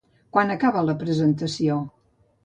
Quan acaba la presentació?